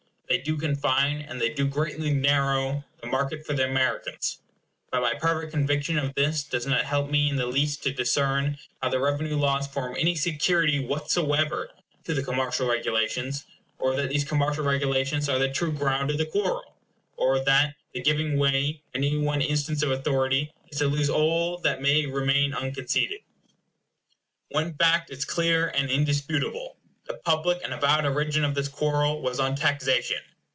They do confine, and they do greatly narrow, the market for the Americans; but my perfect conviction of this does not help me in the least to discern how the revenue laws form any security whatsoever to the commercial regulations, or that these commercial regulations are the true ground of the quarrel, or that the giving way, in any one instance of authority, is to lose all that may remain unconceded. One fact is clear and indisputable. The public and avowed origin of this quarrel was on taxation.